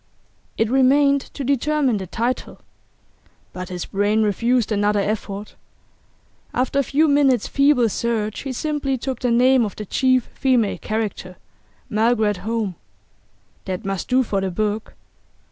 It remained to determine the title. But his brain refused another effort; after a few minutes' feeble search he simply took the name of the chief female character, Margaret Home. That must do for the book.